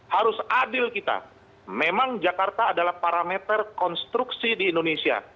harus adil kita memang jakarta adalah parameter konstruksi di indonesia